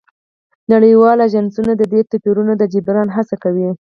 نړیوال اژانسونه د دې توپیرونو د جبران هڅه کوي